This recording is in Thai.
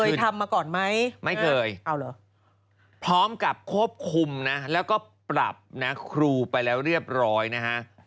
ทำมาก่อนไหมไม่เคยเอาเหรอพร้อมกับควบคุมนะแล้วก็ปรับนะครูไปแล้วเรียบร้อยนะฮะ